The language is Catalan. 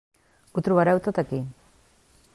Ho trobareu tot aquí.